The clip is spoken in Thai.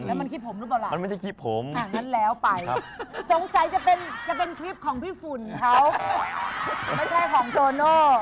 แล้วมันคลิปผมหรือเปล่าล่ะถ้างั้นแล้วไปสงสัยจะเป็นคลิปของพี่ฝุ่นเขาไม่ใช่ของโตโน่